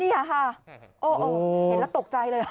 นี่ค่ะเห็นแล้วตกใจเลย